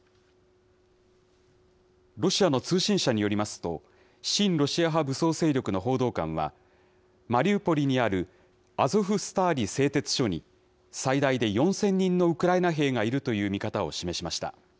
ロシアの通信社によりますと、親ロシア派武装勢力の報道官は、マリウポリにあるアゾフスターリ製鉄所に、最大で４０００人のウクライナ兵がいるという見方を示しました。